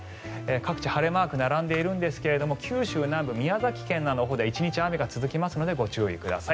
各地、晴れマークが並んでいるんですが九州南部、宮崎県では１日雨が続きますのでご注意ください。